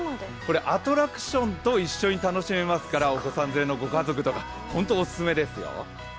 アトラクションと一緒に楽しめますからお子さん連れのご家族とかホントおすすめですよ。